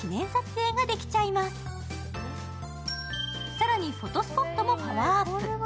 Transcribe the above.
更にフォトスポットもパワーアップ。